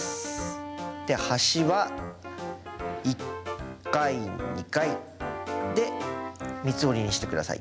端は１回２回で三つ折りにして下さい。